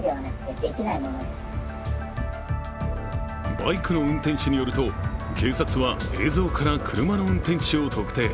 バイクの運転手によると、警察は映像から車の運転手を特定。